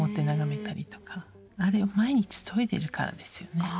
あれを毎日研いでるからですよね。